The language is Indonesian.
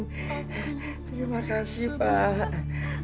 terima kasih pak